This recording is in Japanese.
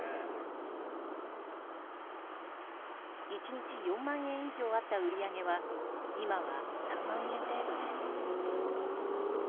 １日４万円以上あった売り上げは今は３万円程度です。